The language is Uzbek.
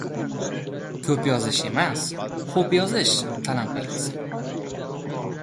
Ko‘p yozish emas, xo‘p yozish talant belgisi.